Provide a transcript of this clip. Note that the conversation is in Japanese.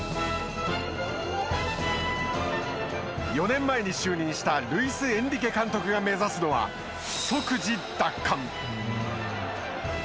４年前に就任したルイス・エンリケ監督が目指すのは、即時奪還。